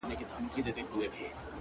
د ملا لوري نصيحت مه كوه .